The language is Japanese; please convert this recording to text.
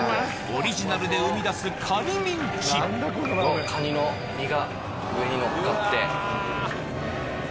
オリジナルで生み出すカニの身が上にのっかって。